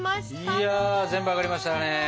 いや全部揚がりましたね。